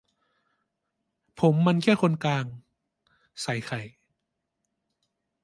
"ผมมันแค่คนกลาง" ใส่ไข่